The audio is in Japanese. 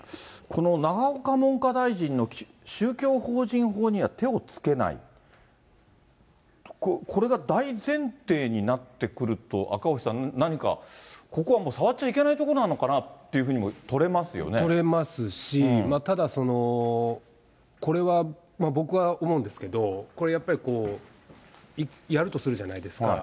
この永岡文科大臣の宗教法人法には手をつけない、これが大前提になってくると、赤星さん、何か、ここはもう触っちゃいけないところのなのかなというふうに取れま取れますし、ただ、これは、僕は思うんですけど、これやっぱり、やるとするじゃないですか。